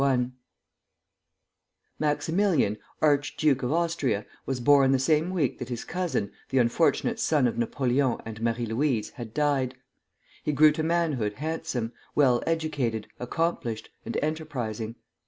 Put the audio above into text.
L.] Maximilian, Archduke of Austria, was born the same week that his cousin, the unfortunate son of Napoleon and Marie Louise, had died. He grew to manhood handsome, well educated, accomplished, and enterprising.